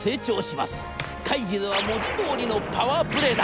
会議では文字どおりのパワープレーだ。